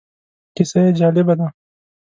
کیسه یې جالبه ده.